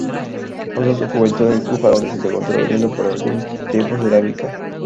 Pasó su juventud en Kufa, donde se encontró vendiendo por algún tiempo cerámica.